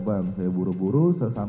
siap bang saya buru buru sesampai saya di